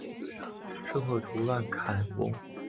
圣昂图万坎翁。